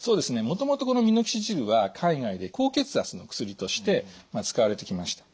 もともとこのミノキシジルは海外で高血圧の薬として使われてきました。